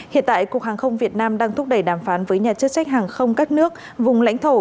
hiện tại cục hàng không việt nam đang thúc đẩy đàm phán với nhà chức trách hàng không các nước vùng lãnh thổ